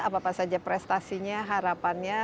apapun saja prestasinya harapannya